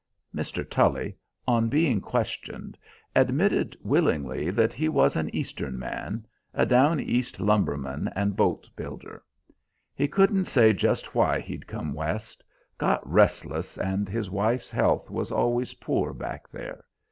Mr. Tully, on being questioned, admitted willingly that he was an Eastern man, a Down East lumberman and boat builder. He couldn't say just why he'd come West. Got restless, and his wife's health was always poor back there.